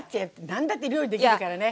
何だって料理できるからね。